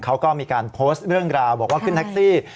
เขาก็มีการโพสต์เรื่องราวบอกว่าขึ้นแท็กซี่